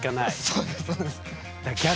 そうですそうです。